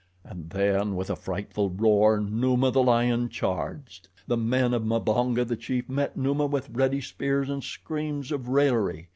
And then, with a frightful roar, Numa, the lion, charged. The men of Mbonga, the chief, met Numa with ready spears and screams of raillery.